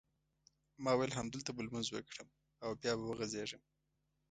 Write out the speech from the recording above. ما وېل همدلته به لمونځ وکړم او بیا به وغځېږم.